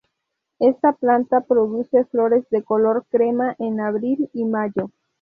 Esta planta produce flores de color crema en abril y mayo.